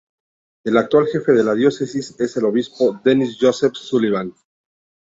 El actual jefe de la Diócesis es el Obispo Dennis Joseph Sullivan.